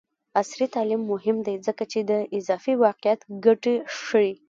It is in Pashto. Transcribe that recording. عصري تعلیم مهم دی ځکه چې د اضافي واقعیت ګټې ښيي.